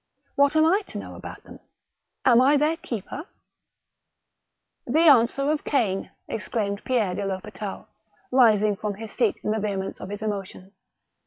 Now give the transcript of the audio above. What am I to know about them, am I their keeper ?"" The answer of Cain !" exclaimed Pierre de ]*Hospital, rising from his seat in the vehemence of his emotion.